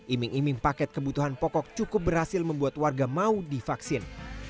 iming iming paket kebutuhan pokok cukup berhasil membuat warga mau divaksin